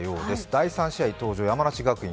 第３試合登場、山梨学院。